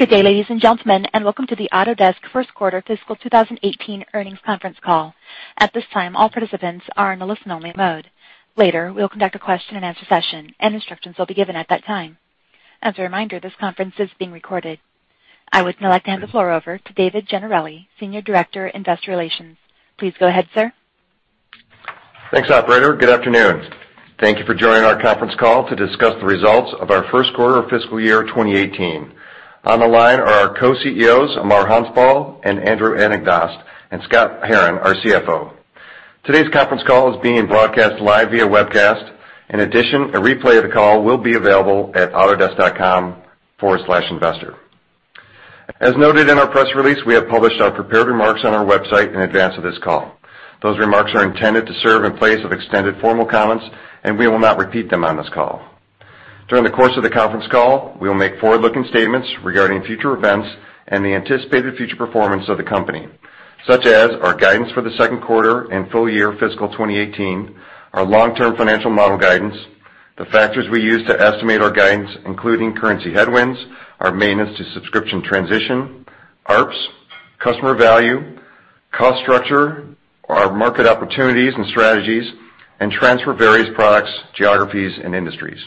Good day, ladies and gentlemen. Welcome to the Autodesk First Quarter Fiscal 2018 Earnings Conference Call. At this time, all participants are in a listen-only mode. Later, we'll conduct a question-and-answer session. Instructions will be given at that time. As a reminder, this conference is being recorded. I would now like to hand the floor over to David Gennarelli, Senior Director, Investor Relations. Please go ahead, sir. Thanks, operator. Good afternoon. Thank you for joining our conference call to discuss the results of our first quarter of fiscal year 2018. On the line are our co-CEOs, Amar Hanspal and Andrew Anagnost, Scott Herren, our CFO. Today's conference call is being broadcast live via webcast. A replay of the call will be available at autodesk.com/investor. As noted in our press release, we have published our prepared remarks on our website in advance of this call. Those remarks are intended to serve in place of extended formal comments. We will not repeat them on this call. During the course of the conference call, we will make forward-looking statements regarding future events. The anticipated future performance of the company, such as our guidance for the second quarter and full year fiscal 2018, our long-term financial model guidance, the factors we use to estimate our guidance, including currency headwinds, our maintenance to subscription transition, ARPS, customer value, cost structure, our market opportunities and strategies, trends for various products, geographies, and industries.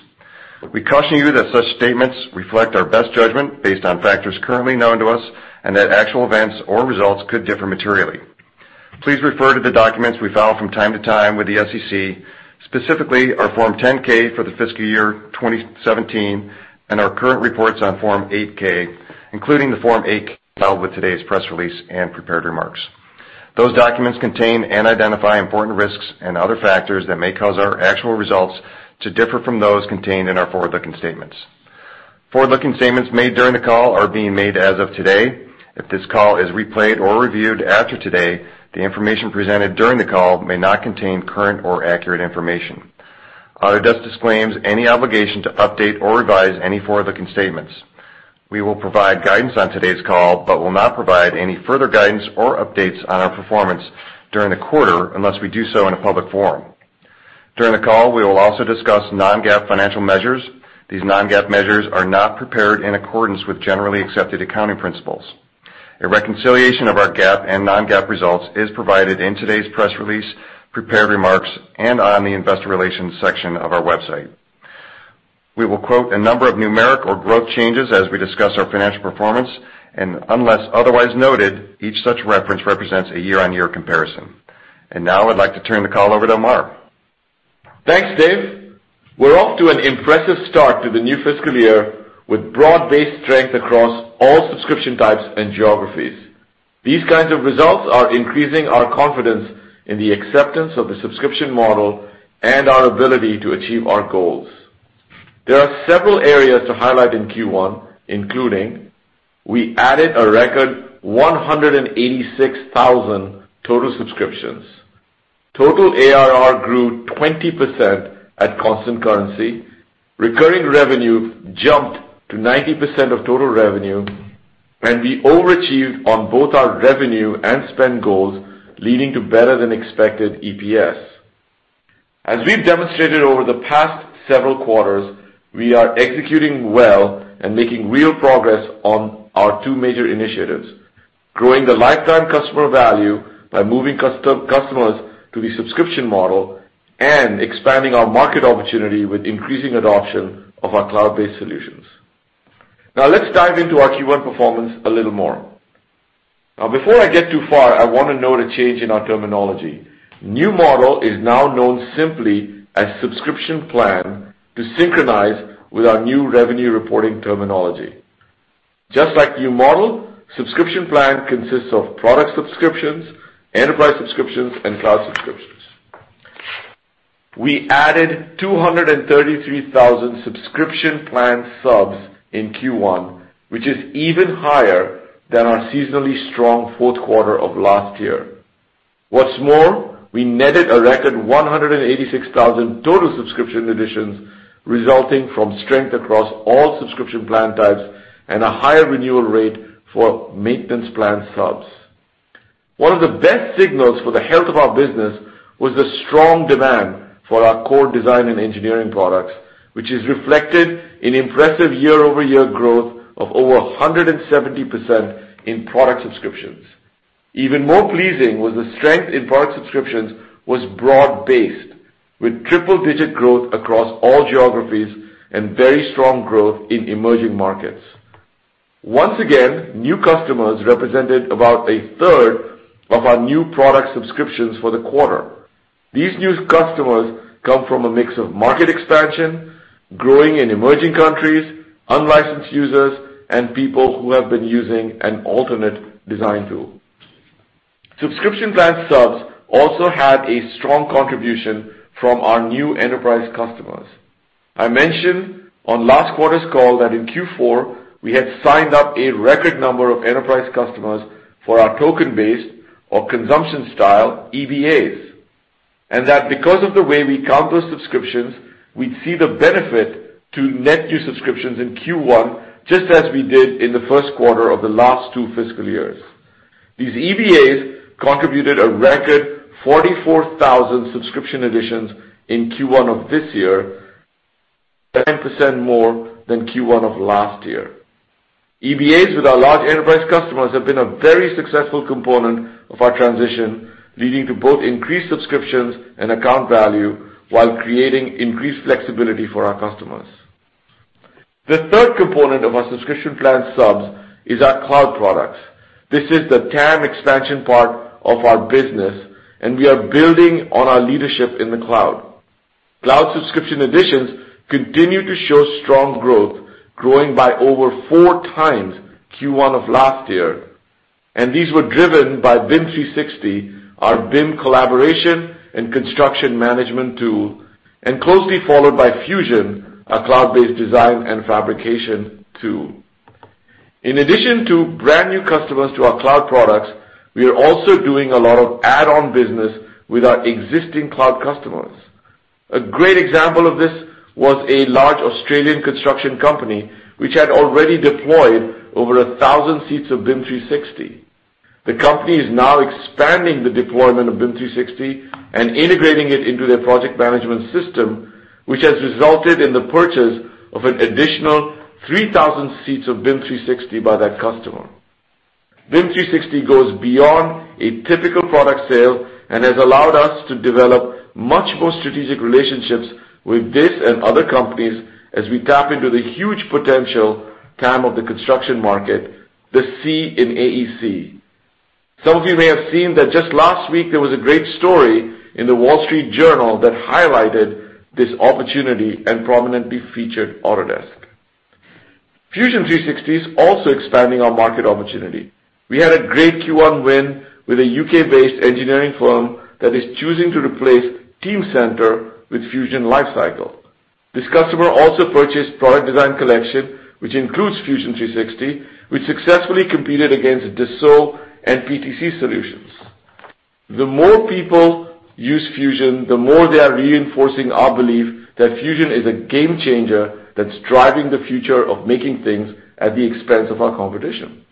We caution you that such statements reflect our best judgment based on factors currently known to us, that actual events or results could differ materially. Please refer to the documents we file from time to time with the SEC, specifically our Form 10-K for the fiscal year 2017, our current reports on Form 8-K, including the Form 8-K filed with today's press release and prepared remarks. Those documents contain and identify important risks and other factors that may cause our actual results to differ from those contained in our forward-looking statements. Forward-looking statements made during the call are being made as of today. If this call is replayed or reviewed after today, the information presented during the call may not contain current or accurate information. Autodesk disclaims any obligation to update or revise any forward-looking statements. We will provide guidance on today's call, will not provide any further guidance or updates on our performance during the quarter unless we do so in a public forum. During the call, we will also discuss non-GAAP financial measures. These non-GAAP measures are not prepared in accordance with generally accepted accounting principles. A reconciliation of our GAAP and non-GAAP results is provided in today's press release, prepared remarks, on the investor relations section of our website. We will quote a number of numeric or growth changes as we discuss our financial performance, unless otherwise noted, each such reference represents a year-on-year comparison. Now I'd like to turn the call over to Amar. Thanks, Dave. We're off to an impressive start to the new fiscal year with broad-based strength across all subscription types and geographies. These kinds of results are increasing our confidence in the acceptance of the subscription model and our ability to achieve our goals. There are several areas to highlight in Q1, including we added a record 186,000 total subscriptions. Total ARR grew 20% at constant currency. Recurring revenue jumped to 90% of total revenue, and we overachieved on both our revenue and spend goals, leading to better than expected EPS. As we've demonstrated over the past several quarters, we are executing well and making real progress on our two major initiatives, growing the lifetime customer value by moving customers to the subscription model and expanding our market opportunity with increasing adoption of our cloud-based solutions. Let's dive into our Q1 performance a little more. Before I get too far, I want to note a change in our terminology. New Model is now known simply as Subscription Plan to synchronize with our new revenue reporting terminology. Just like New Model, Subscription Plan consists of product subscriptions, enterprise subscriptions, and cloud subscriptions. We added 233,000 Subscription Plan subs in Q1, which is even higher than our seasonally strong fourth quarter of last year. What's more, we netted a record 186,000 total subscription additions resulting from strength across all Subscription Plan types and a higher renewal rate for maintenance plan subs. One of the best signals for the health of our business was the strong demand for our core design and engineering products, which is reflected in impressive year-over-year growth of over 170% in product subscriptions. Even more pleasing was the strength in product subscriptions was broad-based, with triple-digit growth across all geographies and very strong growth in emerging markets. Once again, new customers represented about a third of our new product subscriptions for the quarter. These new customers come from a mix of market expansion, growing in emerging countries, unlicensed users, and people who have been using an alternate design tool. Subscription Plan subs also had a strong contribution from our new enterprise customers. I mentioned on last quarter's call that in Q4, we had signed up a record number of enterprise customers for our token-based or consumption-style EBAs, and that because of the way we count those subscriptions, we'd see the benefit to net new subscriptions in Q1, just as we did in the first quarter of the last two fiscal years. These EBAs contributed a record 44,000 subscription additions in Q1 of this year, 10% more than Q1 of last year. EBAs with our large enterprise customers have been a very successful component of our transition, leading to both increased subscriptions and account value while creating increased flexibility for our customers. The third component of our subscription plan subs is our cloud products. This is the TAM expansion part of our business, and we are building on our leadership in the cloud. Cloud subscription additions continue to show strong growth, growing by over 4 times Q1 of last year. These were driven by BIM 360, our BIM collaboration and construction management tool, and closely followed by Fusion, a cloud-based design and fabrication tool. In addition to brand-new customers to our cloud products, we are also doing a lot of add-on business with our existing cloud customers. A great example of this was a large Australian construction company which had already deployed over 1,000 seats of BIM 360. The company is now expanding the deployment of BIM 360 and integrating it into their project management system, which has resulted in the purchase of an additional 3,000 seats of BIM 360 by that customer. BIM 360 goes beyond a typical product sale and has allowed us to develop much more strategic relationships with this and other companies as we tap into the huge potential TAM of the construction market, the C in AEC. Some of you may have seen that just last week, there was a great story in The Wall Street Journal that highlighted this opportunity and prominently featured Autodesk. Fusion 360 is also expanding our market opportunity. We had a great Q1 win with a U.K.-based engineering firm that is choosing to replace Teamcenter with Fusion Lifecycle. This customer also purchased Product Design Collection, which includes Fusion 360, which successfully competed against Dassault and PTC solutions. The more people use Fusion, the more they are reinforcing our belief that Fusion is a game changer that's driving the future of making things at the expense of our competition.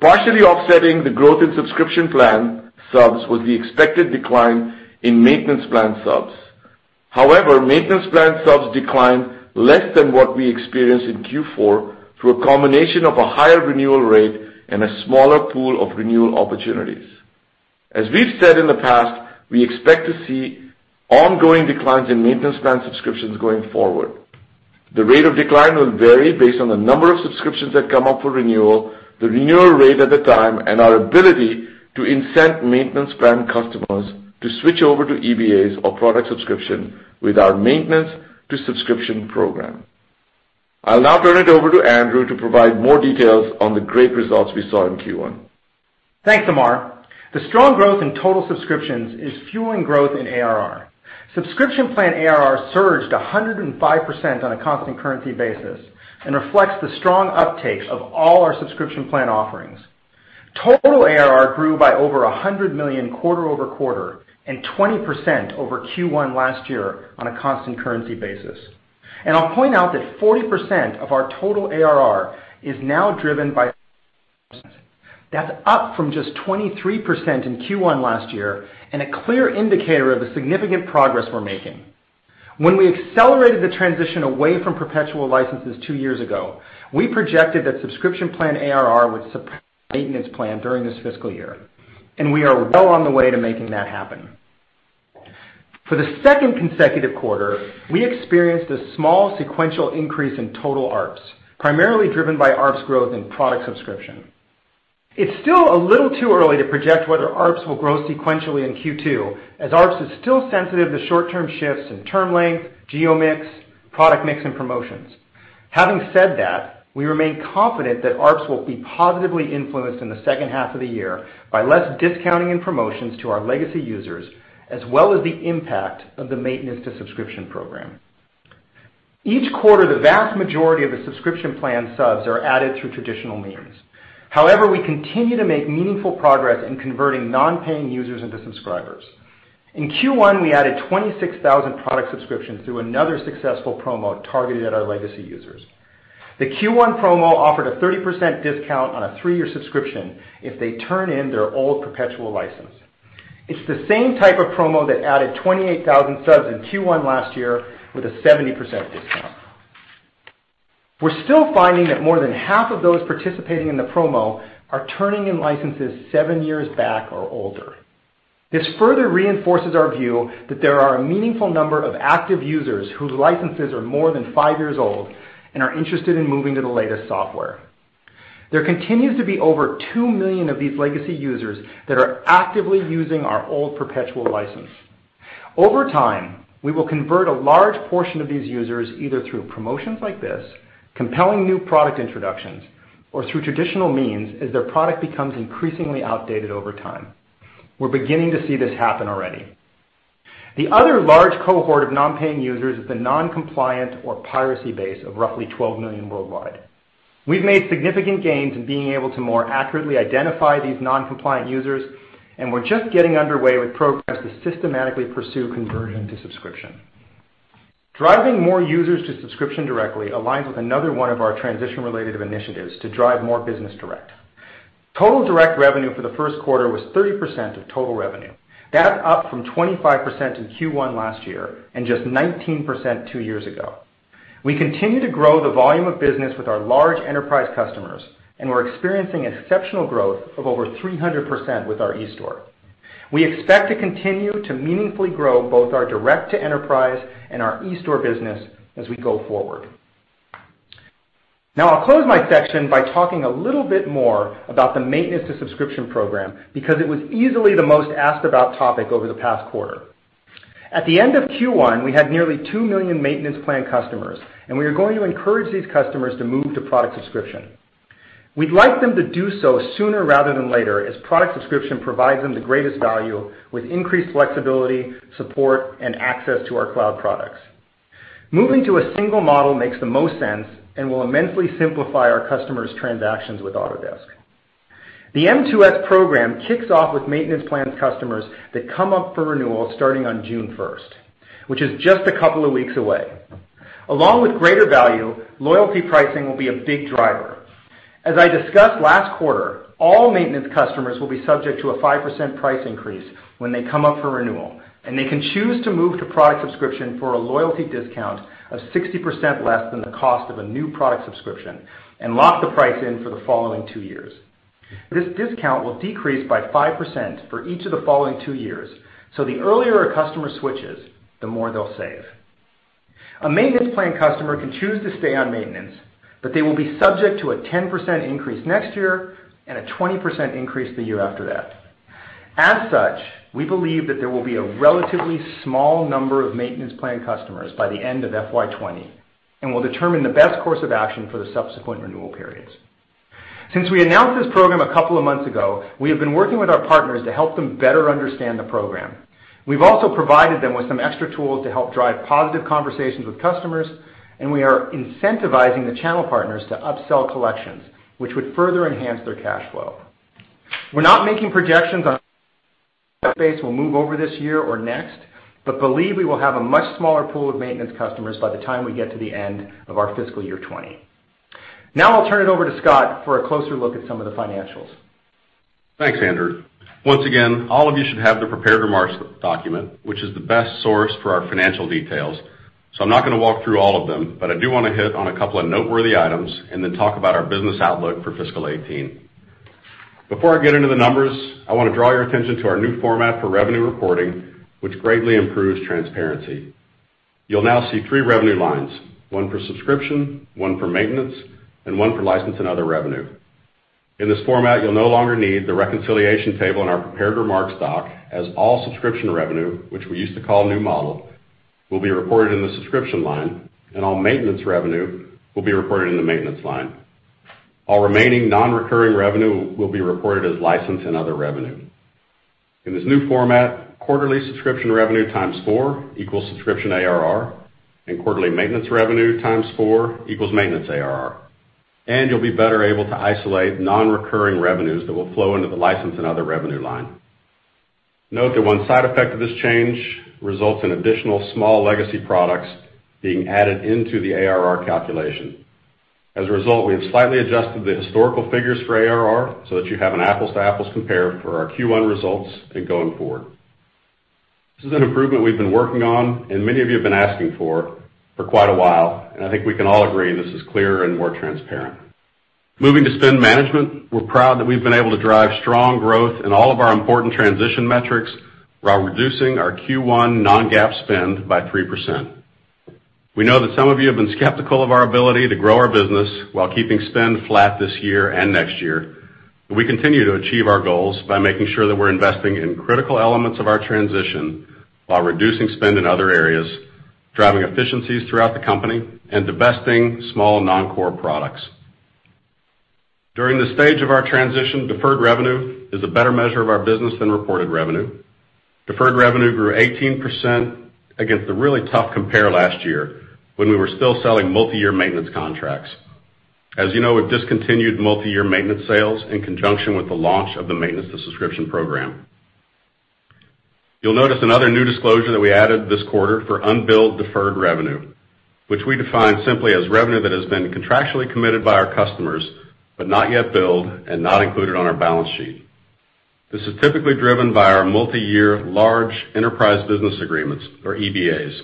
Partially offsetting the growth in subscription plan subs was the expected decline in maintenance plan subs. However, maintenance plan subs declined less than what we experienced in Q4 through a combination of a higher renewal rate and a smaller pool of renewal opportunities. As we've said in the past, we expect to see ongoing declines in maintenance plan subscriptions going forward. The rate of decline will vary based on the number of subscriptions that come up for renewal, the renewal rate at the time, and our ability to incent maintenance plan customers to switch over to EBAs or product subscription with our Maintenance to Subscription program. I'll now turn it over to Andrew to provide more details on the great results we saw in Q1. Thanks, Amar. The strong growth in total subscriptions is fueling growth in ARR. Subscription plan ARR surged 105% on a constant currency basis and reflects the strong uptake of all our subscription plan offerings. Total ARR grew by over $100 million quarter-over-quarter and 20% over Q1 last year on a constant currency basis. I'll point out that 40% of our total ARR is now driven by That's up from just 23% in Q1 last year and a clear indicator of the significant progress we're making. When we accelerated the transition away from perpetual licenses 2 years ago, we projected that subscription plan ARR would suppress maintenance plan during this fiscal year. We are well on the way to making that happen. For the second consecutive quarter, we experienced a small sequential increase in total ARPS, primarily driven by ARPS growth in product subscription. It's still a little too early to project whether ARPS will grow sequentially in Q2, as ARPS is still sensitive to short-term shifts in term length, geo mix, product mix, and promotions. Having said that, we remain confident that ARPS will be positively influenced in the second half of the year by less discounting and promotions to our legacy users, as well as the impact of the Maintenance to Subscription program. Each quarter, the vast majority of the subscription plan subs are added through traditional means. However, we continue to make meaningful progress in converting non-paying users into subscribers. In Q1, we added 26,000 product subscriptions through another successful promo targeted at our legacy users. The Q1 promo offered a 30% discount on a 3-year subscription if they turn in their old perpetual license. It's the same type of promo that added 28,000 subs in Q1 last year with a 70% discount. We're still finding that more than half of those participating in the promo are turning in licenses 7 years back or older. This further reinforces our view that there are a meaningful number of active users whose licenses are more than 5 years old and are interested in moving to the latest software. There continues to be over 2 million of these legacy users that are actively using our old perpetual license. Over time, we will convert a large portion of these users either through promotions like this, compelling new product introductions, or through traditional means as their product becomes increasingly outdated over time. The other large cohort of non-paying users is the non-compliant or piracy base of roughly 12 million worldwide. We've made significant gains in being able to more accurately identify these non-compliant users, and we're just getting underway with programs to systematically pursue conversion to subscription. Driving more users to subscription directly aligns with another one of our transition-related initiatives to drive more business direct. Total direct revenue for the first quarter was 30% of total revenue. That's up from 25% in Q1 last year and just 19% 2 years ago. We continue to grow the volume of business with our large enterprise customers, and we're experiencing exceptional growth of over 300% with our eStore. We expect to continue to meaningfully grow both our direct to enterprise and our eStore business as we go forward. I'll close my section by talking a little bit more about the Maintenance to Subscription program because it was easily the most asked-about topic over the past quarter. At the end of Q1, we had nearly 2 million Maintenance Plan customers, and we are going to encourage these customers to move to product subscription. We'd like them to do so sooner rather than later, as product subscription provides them the greatest value with increased flexibility, support, and access to our cloud products. Moving to a single model makes the most sense and will immensely simplify our customers' transactions with Autodesk. The M2S program kicks off with Maintenance Plan customers that come up for renewal starting on June 1st, which is just a couple of weeks away. Along with greater value, loyalty pricing will be a big driver. As I discussed last quarter, all maintenance customers will be subject to a 5% price increase when they come up for renewal, and they can choose to move to product subscription for a loyalty discount of 60% less than the cost of a new product subscription and lock the price in for the following 2 years. This discount will decrease by 5% for each of the following 2 years. The earlier a customer switches, the more they'll save. A Maintenance Plan customer can choose to stay on maintenance, but they will be subject to a 10% increase next year and a 20% increase the year after that. As such, we believe that there will be a relatively small number of Maintenance Plan customers by the end of FY 2020, and we'll determine the best course of action for the subsequent renewal periods. Since we announced this program a couple of months ago, we have been working with our partners to help them better understand the program. We've also provided them with some extra tools to help drive positive conversations with customers, and we are incentivizing the channel partners to upsell collections, which would further enhance their cash flow. We're not making projections on will move over this year or next, but believe we will have a much smaller pool of maintenance customers by the time we get to the end of our fiscal year 2020. I'll turn it over to Scott for a closer look at some of the financials. Thanks, Andrew. Once again, all of you should have the prepared remarks document, which is the best source for our financial details. I'm not going to walk through all of them, but I do want to hit on a couple of noteworthy items and then talk about our business outlook for fiscal 2018. Before I get into the numbers, I want to draw your attention to our new format for revenue reporting, which greatly improves transparency. You'll now see three revenue lines, one for subscription, one for maintenance, and one for license and other revenue. In this format, you'll no longer need the reconciliation table in our prepared remarks doc, as all subscription revenue, which we used to call new model, will be reported in the subscription line, and all maintenance revenue will be reported in the maintenance line. All remaining non-recurring revenue will be reported as license and other revenue. In this new format, quarterly subscription revenue times four equals subscription ARR, and quarterly maintenance revenue times four equals maintenance ARR. You'll be better able to isolate non-recurring revenues that will flow into the license and other revenue line. Note that one side effect of this change results in additional small legacy products being added into the ARR calculation. As a result, we have slightly adjusted the historical figures for ARR so that you have an apples-to-apples compare for our Q1 results and going forward. This is an improvement we've been working on and many of you have been asking for quite a while, and I think we can all agree this is clearer and more transparent. Moving to spend management, we're proud that we've been able to drive strong growth in all of our important transition metrics while reducing our Q1 non-GAAP spend by 3%. We know that some of you have been skeptical of our ability to grow our business while keeping spend flat this year and next year, but we continue to achieve our goals by making sure that we're investing in critical elements of our transition while reducing spend in other areas, driving efficiencies throughout the company, and divesting small non-core products. During this stage of our transition, deferred revenue is a better measure of our business than reported revenue. Deferred revenue grew 18% against a really tough compare last year when we were still selling multi-year maintenance contracts. As you know, we've discontinued multi-year maintenance sales in conjunction with the launch of the Maintenance to Subscription program. You'll notice another new disclosure that we added this quarter for unbilled deferred revenue, which we define simply as revenue that has been contractually committed by our customers, but not yet billed and not included on our balance sheet. This is typically driven by our multi-year large enterprise business agreements or EBAs.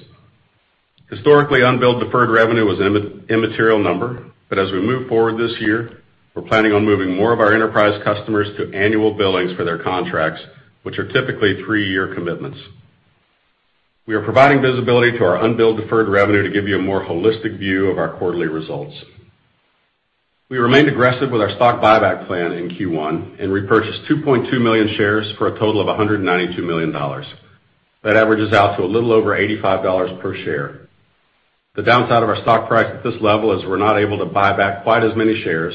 Historically, unbilled deferred revenue was an immaterial number. As we move forward this year, we're planning on moving more of our enterprise customers to annual billings for their contracts, which are typically three-year commitments. We are providing visibility to our unbilled deferred revenue to give you a more holistic view of our quarterly results. We remained aggressive with our stock buyback plan in Q1 and repurchased 2.2 million shares for a total of $192 million. That averages out to a little over $85 per share. The downside of our stock price at this level is we're not able to buy back quite as many shares,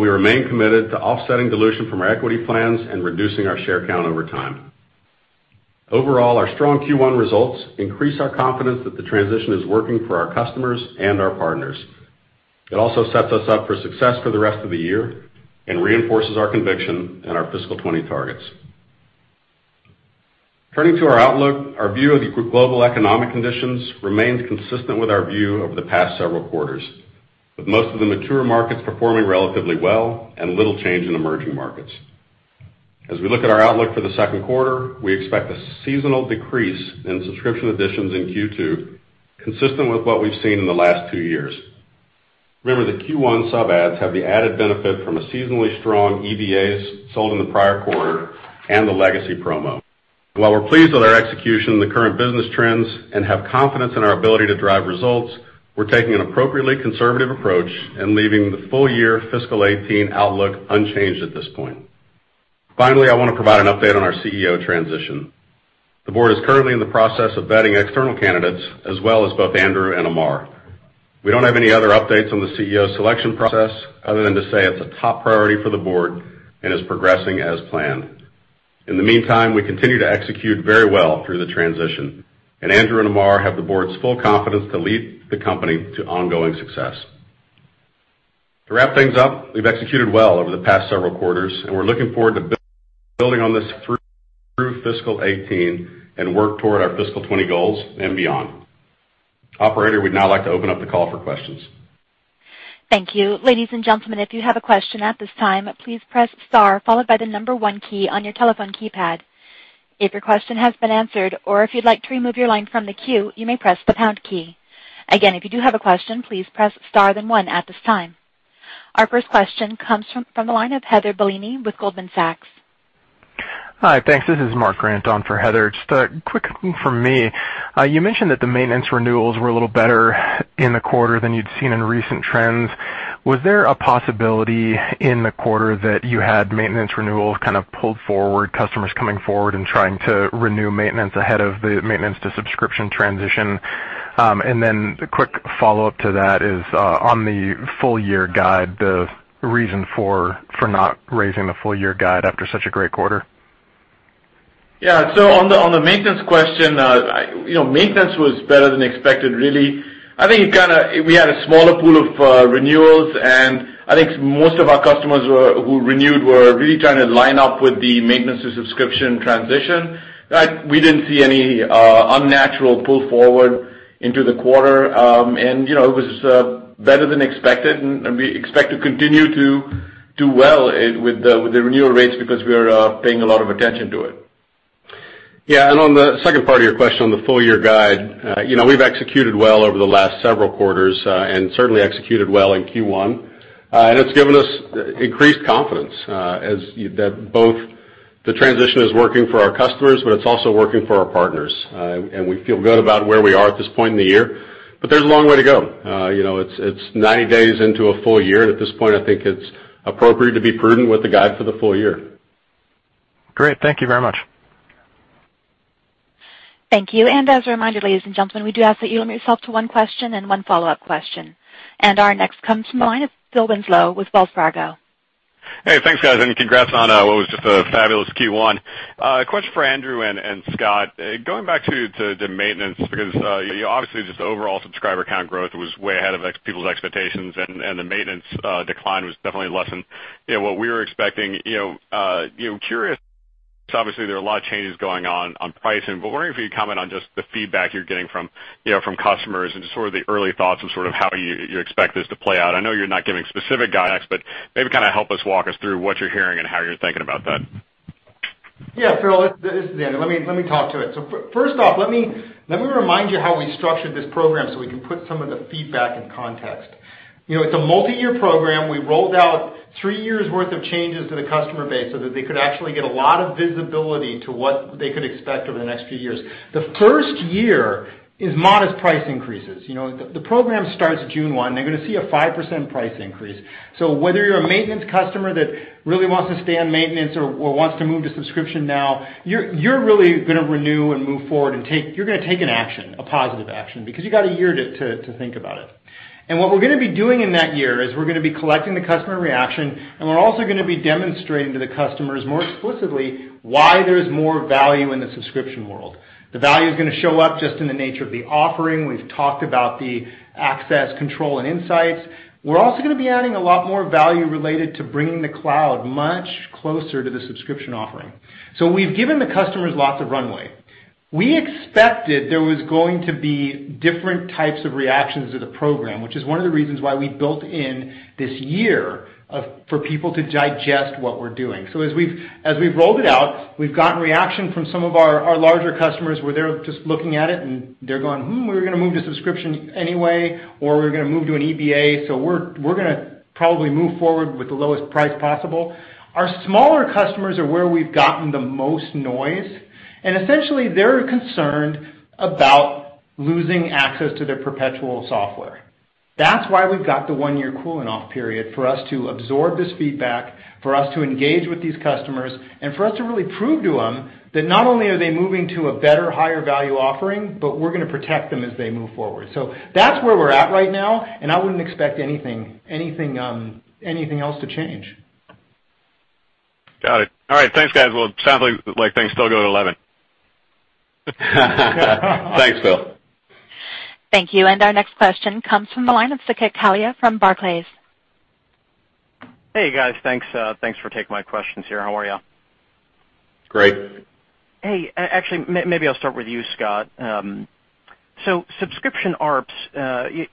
we remain committed to offsetting dilution from our equity plans and reducing our share count over time. Overall, our strong Q1 results increase our confidence that the transition is working for our customers and our partners. It also sets us up for success for the rest of the year and reinforces our conviction in our FY 2020 targets. Turning to our outlook, our view of the global economic conditions remains consistent with our view over the past several quarters, with most of the mature markets performing relatively well and little change in emerging markets. As we look at our outlook for the second quarter, we expect a seasonal decrease in subscription additions in Q2, consistent with what we've seen in the last two years. Remember that Q1 sub adds have the added benefit from a seasonally strong EBAs sold in the prior quarter and the legacy promo. While we're pleased with our execution, the current business trends, and have confidence in our ability to drive results, we're taking an appropriately conservative approach and leaving the full year fiscal 2018 outlook unchanged at this point. I want to provide an update on our CEO transition. The board is currently in the process of vetting external candidates as well as both Andrew and Amar. We don't have any other updates on the CEO selection process other than to say it's a top priority for the board and is progressing as planned. In the meantime, we continue to execute very well through the transition, and Andrew and Amar have the board's full confidence to lead the company to ongoing success. To wrap things up, we've executed well over the past several quarters. We're looking forward to building on this through fiscal 2018 and work toward our fiscal 2020 goals and beyond. Operator, we'd now like to open up the call for questions. Thank you. Ladies and gentlemen, if you have a question at this time, please press star followed by the number 1 key on your telephone keypad. If your question has been answered or if you'd like to remove your line from the queue, you may press the pound key. Again, if you do have a question, please press star then 1 at this time. Our first question comes from the line of Heather Bellini with Goldman Sachs. Hi. Thanks. This is Mark Grant on for Heather. Just a quick one from me. You mentioned that the maintenance renewals were a little better in the quarter than you'd seen in recent trends. Was there a possibility in the quarter that you had maintenance renewals kind of pulled forward, customers coming forward and trying to renew maintenance ahead of the maintenance to subscription transition? A quick follow-up to that is, on the full year guide, the reason for not raising the full year guide after such a great quarter? On the maintenance question, maintenance was better than expected really. I think we had a smaller pool of renewals, and I think most of our customers who renewed were really trying to line up with the maintenance to subscription transition. We didn't see any unnatural pull forward into the quarter. It was better than expected, and we expect to continue to do well with the renewal rates because we are paying a lot of attention to it. On the second part of your question, on the full year guide, we've executed well over the last several quarters, and certainly executed well in Q1. It's given us increased confidence that both the transition is working for our customers, but it's also working for our partners. We feel good about where we are at this point in the year. There's a long way to go. It's 90 days into a full year, and at this point, I think it's appropriate to be prudent with the guide for the full year. Great. Thank you very much. Thank you. As a reminder, ladies and gentlemen, we do ask that you limit yourself to one question and one follow-up question. Our next comes from the line of Phil Winslow with Wells Fargo. Hey, thanks, guys, and congrats on what was just a fabulous Q1. A question for Andrew and Scott. Going back to the maintenance. Obviously, just overall subscriber count growth was way ahead of people's expectations, and the maintenance decline was definitely less than what we were expecting. Curious, obviously, there are a lot of changes going on pricing, wondering if you could comment on just the feedback you're getting from customers and just sort of the early thoughts of how you expect this to play out. I know you're not giving specific guidance, maybe kind of help us walk us through what you're hearing and how you're thinking about that. Yeah, Phil, this is Andy. Let me talk to it. First off, let me remind you how we structured this program so we can put some of the feedback in context. It's a multi-year program. We rolled out 3 years' worth of changes to the customer base so that they could actually get a lot of visibility to what they could expect over the next few years. The first year is modest price increases. The program starts June 1. They're going to see a 5% price increase. Whether you're a maintenance customer that really wants to stay on maintenance or wants to move to subscription now, you're really going to renew and move forward and you're going to take an action, a positive action, because you've got a year to think about it. What we're going to be doing in that year is we're going to be collecting the customer reaction, and we're also going to be demonstrating to the customers more explicitly why there's more value in the subscription world. The value is going to show up just in the nature of the offering. We've talked about the access, control, and insights. We're also going to be adding a lot more value related to bringing the cloud much closer to the subscription offering. We've given the customers lots of runway. We expected there was going to be different types of reactions to the program, which is one of the reasons why we built in this year for people to digest what we're doing. As we've rolled it out, we've gotten reaction from some of our larger customers where they're just looking at it and they're going, "Hmm, we were going to move to subscription anyway," or, "We were going to move to an EBA, so we're going to probably move forward with the lowest price possible." Our smaller customers are where we've gotten the most noise. Essentially, they're concerned about losing access to their perpetual software. That's why we've got the 1-year cooling off period for us to absorb this feedback, for us to engage with these customers, for us to really prove to them that not only are they moving to a better, higher-value offering, we're going to protect them as they move forward. That's where we're at right now. I wouldn't expect anything else to change. Got it. All right. Thanks, guys. Well, it sounds like things still go to 11. Thanks, Phil. Thank you. Our next question comes from the line of Saket Kalia from Barclays. Hey, guys. Thanks for taking my questions here. How are you? Great. Hey, actually, maybe I'll start with you, Scott. Subscription ARPS, to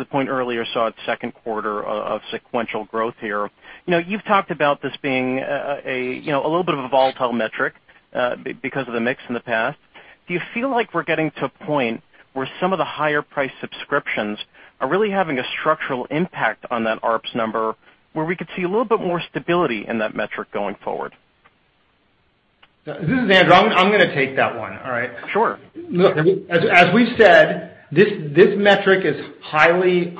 the point earlier, saw its second quarter of sequential growth here. You've talked about this being a little bit of a volatile metric because of the mix in the past. Do you feel like we're getting to a point where some of the higher-priced subscriptions are really having a structural impact on that ARPS number, where we could see a little bit more stability in that metric going forward? This is Andrew. I'm going to take that one, all right? Sure. Look, as we said, this metric is highly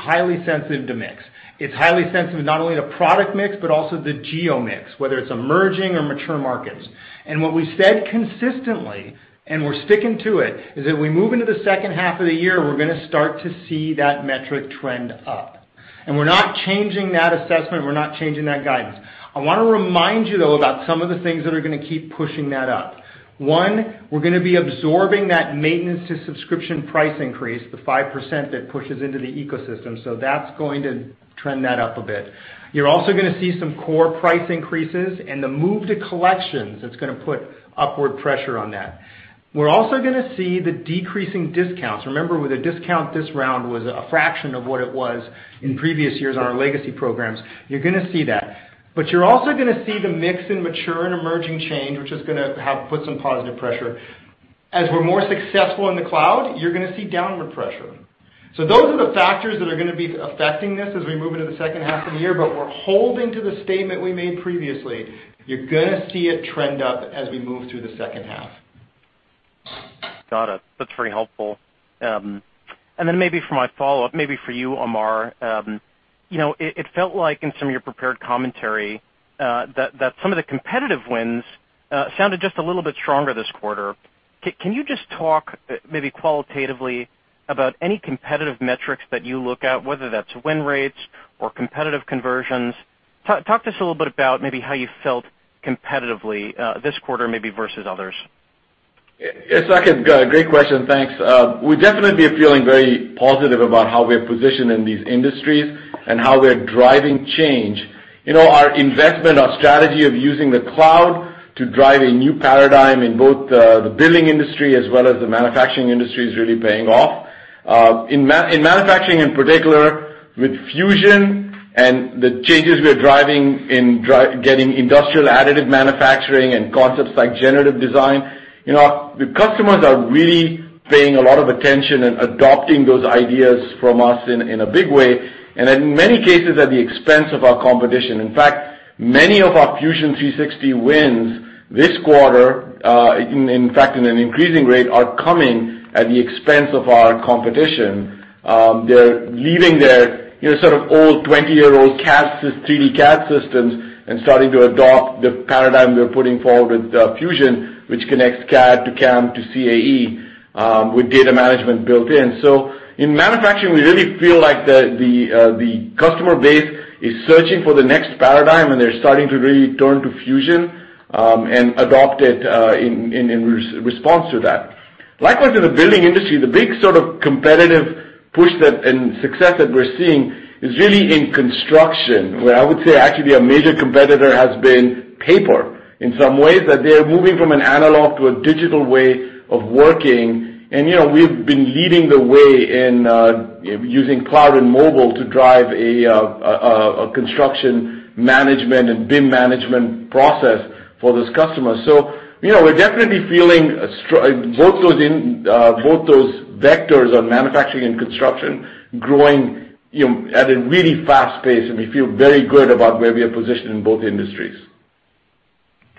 sensitive to mix. It's highly sensitive not only to product mix but also the geo mix, whether it's emerging or mature markets. What we said consistently, and we're sticking to it, is as we move into the second half of the year, we're going to start to see that metric trend up. We're not changing that assessment. We're not changing that guidance. I want to remind you, though, about some of the things that are going to keep pushing that up. One, we're going to be absorbing that maintenance to subscription price increase, the 5% that pushes into the ecosystem. That's going to trend that up a bit. You're also going to see some core price increases and the move to Collections that's going to put upward pressure on that. We're also going to see the decreasing discounts. Remember, with a discount, this round was a fraction of what it was in previous years on our legacy programs. You're going to see that. You're also going to see the mix in mature and emerging change, which is going to put some positive pressure. As we're more successful in the cloud, you're going to see downward pressure. Those are the factors that are going to be affecting this as we move into the second half of the year, we're holding to the statement we made previously. You're going to see it trend up as we move through the second half. Got it. That's very helpful. Maybe for my follow-up, maybe for you, Amar. It felt like in some of your prepared commentary that some of the competitive wins sounded just a little bit stronger this quarter. Can you just talk maybe qualitatively about any competitive metrics that you look at, whether that's win rates or competitive conversions? Talk to us a little bit about maybe how you felt competitively this quarter maybe versus others. Yeah, Saket, great question. Thanks. We definitely are feeling very positive about how we are positioned in these industries and how we're driving change. Our investment, our strategy of using the cloud to drive a new paradigm in both the building industry as well as the manufacturing industry is really paying off. In manufacturing in particular, with Fusion and the changes we are driving in getting industrial additive manufacturing and concepts like generative design, the customers are really paying a lot of attention and adopting those ideas from us in a big way, and in many cases, at the expense of our competition. In fact, many of our Fusion 360 wins this quarter, in fact, in an increasing rate, are coming at the expense of our competition. They're leaving their sort of old 20-year-old 3D CAD systems and starting to adopt the paradigm we're putting forward with Fusion, which connects CAD to CAM to CAE, with data management built in. In manufacturing, we really feel like the customer base is searching for the next paradigm, and they're starting to really turn to Fusion, and adopt it in response to that. Likewise, in the building industry, the big competitive push and success that we're seeing is really in construction, where I would say actually a major competitor has been paper in some ways. That they're moving from an analog to a digital way of working, and we've been leading the way in using cloud and mobile to drive a construction management and BIM management process for those customers. We're definitely feeling both those vectors on manufacturing and construction growing at a really fast pace, and we feel very good about where we are positioned in both industries.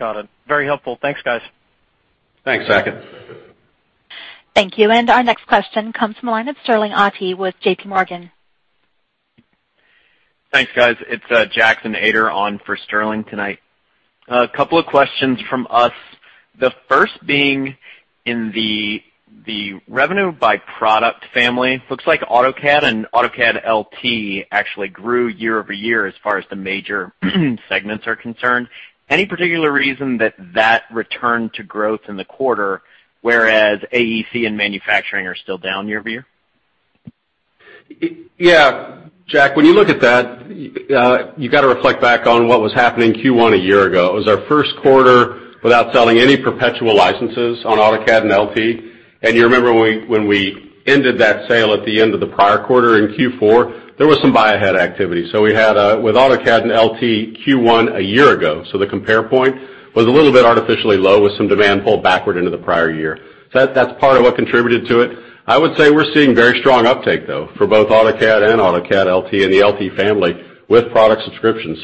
Got it. Very helpful. Thanks, guys. Thanks, Saket. Thank you. Our next question comes from Sterling Auty with JPMorgan. Thanks, guys. It's Jackson Ader on for Sterling tonight. A couple of questions from us. The first being in the revenue by product family. Looks like AutoCAD and AutoCAD LT actually grew year-over-year as far as the major segments are concerned. Any particular reason that that returned to growth in the quarter, whereas AEC and manufacturing are still down year-over-year? Jack, when you look at that, you got to reflect back on what was happening Q1 a year ago. It was our first quarter without selling any perpetual licenses on AutoCAD and LT. You remember when we ended that sale at the end of the prior quarter in Q4, there was some buy-ahead activity. We had with AutoCAD and LT Q1 a year ago. The compare point was a little bit artificially low with some demand pulled backward into the prior year. That's part of what contributed to it. I would say we're seeing very strong uptake, though, for both AutoCAD and AutoCAD LT and the LT family with product subscription.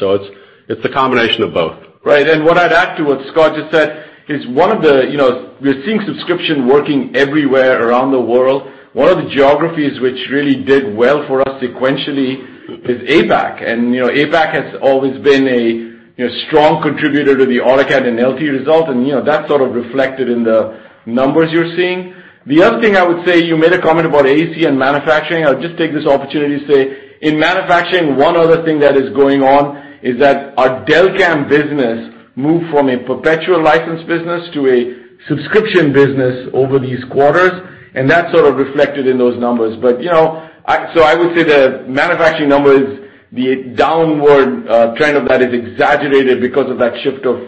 It's a combination of both. Right. What I'd add to what Scott just said is we're seeing subscription working everywhere around the world. One of the geographies which really did well for us sequentially is APAC. APAC has always been a strong contributor to the AutoCAD and LT result, and that's sort of reflected in the numbers you're seeing. The other thing I would say, you made a comment about AEC and manufacturing. I'll just take this opportunity to say, in manufacturing, one other thing that is going on is that our Delcam business moved from a perpetual license business to a subscription business over these quarters, and that's sort of reflected in those numbers. I would say the manufacturing numbers, the downward trend of that is exaggerated because of that shift of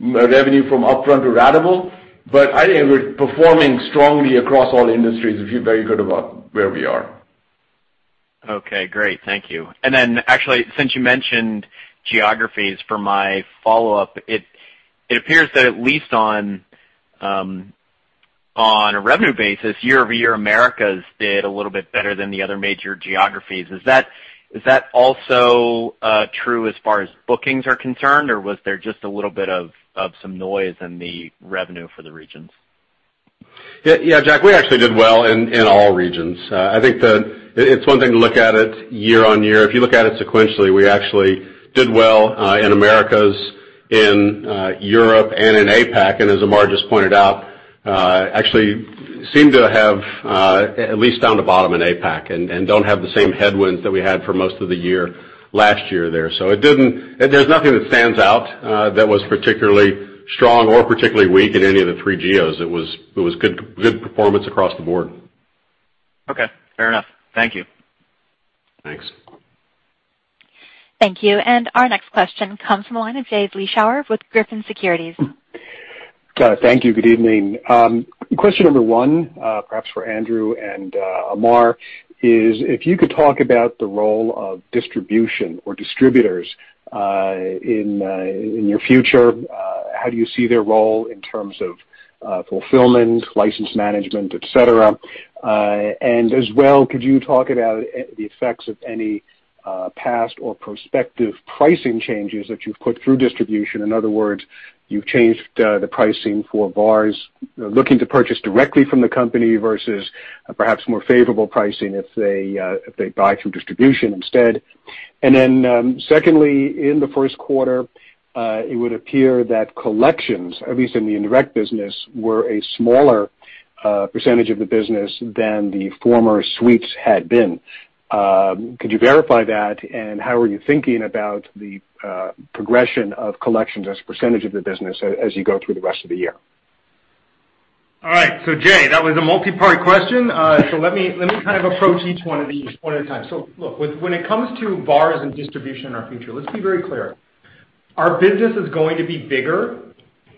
revenue from upfront to ratable. I think we're performing strongly across all industries. We feel very good about where we are. Okay, great. Thank you. Actually, since you mentioned geographies for my follow-up, it appears that at least on a revenue basis, year-over-year, Americas did a little bit better than the other major geographies. Is that also true as far as bookings are concerned, or was there just a little bit of some noise in the revenue for the regions? Yeah, Jack, we actually did well in all regions. I think it's one thing to look at it year-over-year. If you look at it sequentially, we actually did well in Americas, in Europe, and in APAC, and as Amar just pointed out, actually seem to have at least found a bottom in APAC and don't have the same headwinds that we had for most of the year, last year there. There's nothing that stands out that was particularly strong or particularly weak in any of the three geos. It was good performance across the board. Okay, fair enough. Thank you. Thanks. Thank you. Our next question comes from the line of Jay Vleeschhouwer with Griffin Securities. Got it. Thank you. Good evening. Question number one, perhaps for Andrew and Amar, is if you could talk about the role of distribution or distributors in your future, how do you see their role in terms of fulfillment, license management, et cetera? As well, could you talk about the effects of any past or prospective pricing changes that you've put through distribution? In other words, you've changed the pricing for VARs looking to purchase directly from the company versus perhaps more favorable pricing if they buy through distribution instead. Then secondly, in the first quarter, it would appear that collections, at least in the indirect business, were a smaller percentage of the business than the former suites had been. Could you verify that? How are you thinking about the progression of collections as a percentage of the business as you go through the rest of the year? Jay, that was a multi-part question. Let me kind of approach each one of these one at a time. When it comes to VARs and distribution in our future, let's be very clear. Our business is going to be bigger,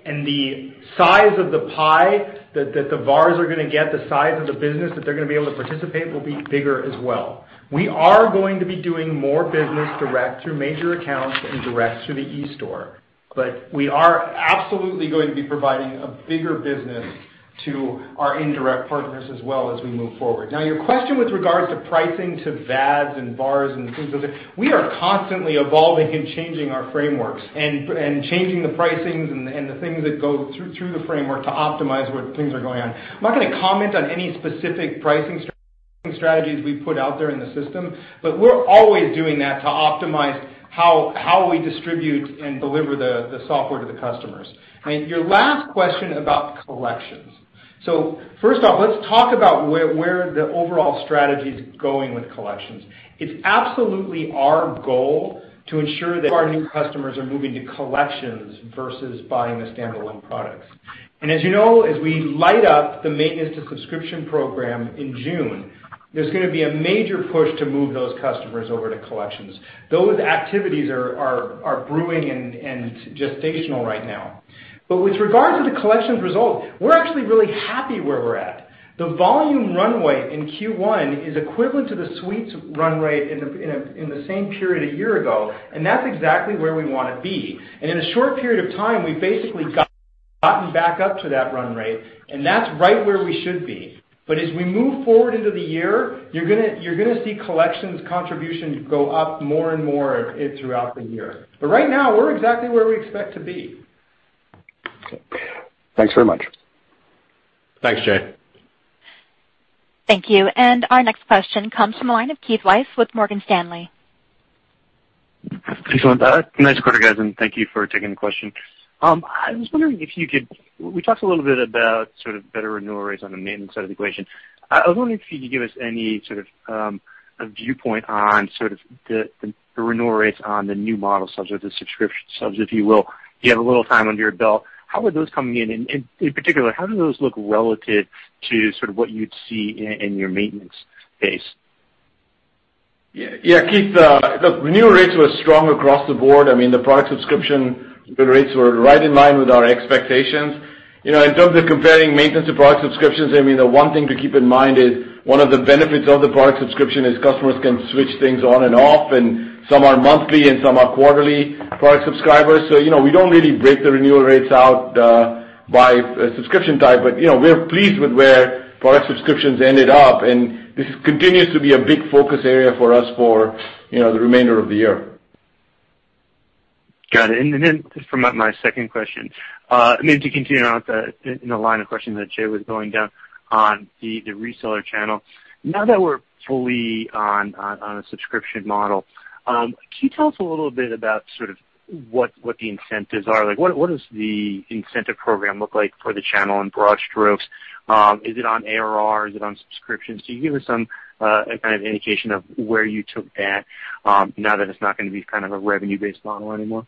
and the size of the pie that the VARs are going to get, the size of the business that they're going to be able to participate will be bigger as well. We are going to be doing more business direct through major accounts and direct through the eStore, but we are absolutely going to be providing a bigger business to our indirect partners as well as we move forward. Your question with regards to pricing to VADs and VARs and things of it, we are constantly evolving and changing our frameworks and changing the pricings and the things that go through the framework to optimize where things are going on. I'm not going to comment on any specific pricing strategies we've put out there in the system, but we're always doing that to optimize how we distribute and deliver the software to the customers. Your last question about collections. First off, let's talk about where the overall strategy's going with collections. It's absolutely our goal to ensure that our new customers are moving to collections versus buying the standalone products. As you know, as we light up the maintenance to subscription program in June, there's going to be a major push to move those customers over to collections. Those activities are brewing and gestational right now. With regard to the collections result, we're actually really happy where we're at. The volume run rate in Q1 is equivalent to the suites run rate in the same period a year ago, and that's exactly where we want to be. In a short period of time, we've basically gotten back up to that run rate, and that's right where we should be. As we move forward into the year, you're going to see collections contribution go up more and more throughout the year. Right now, we're exactly where we expect to be. Okay. Thanks very much. Thanks, Jay. Thank you. Our next question comes from the line of Keith Weiss with Morgan Stanley. Excellent. Nice quarter, guys, and thank you for taking the question. I was wondering if you could. We talked a little bit about sort of better renewal rates on the maintenance side of the equation. I was wondering if you could give us any sort of a viewpoint on sort of the renewal rates on the new model subs or the subscription subs, if you will. You have a little time under your belt. How are those coming in? In particular, how do those look relative to sort of what you'd see in your maintenance base? Keith. Look, renewal rates were strong across the board. I mean, the product subscription renewal rates were right in line with our expectations. In terms of comparing maintenance to product subscriptions, I mean, the one thing to keep in mind is one of the benefits of the product subscription is customers can switch things on and off, and some are monthly and some are quarterly product subscribers. We don't really break the renewal rates out by subscription type, but we're pleased with where product subscriptions ended up, and this continues to be a big focus area for us for the remainder of the year. Got it. Just for my second question, maybe to continue on in the line of questioning that Jay was going down on the reseller channel. Now that we're fully on a subscription model, can you tell us a little bit about sort of what the incentives are? What does the incentive program look like for the channel in broad strokes? Is it on ARR? Is it on subscriptions? Can you give us some kind of indication of where you took that, now that it's not going to be kind of a revenue-based model anymore?